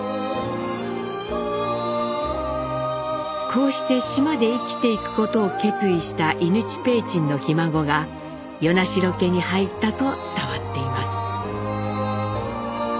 こうして島で生きていくことを決意した伊貫親雲上のひ孫が与那城家に入ったと伝わっています。